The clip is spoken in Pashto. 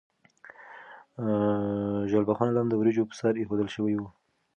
ژیړبخون لم د وریجو په سر ایښودل شوی و.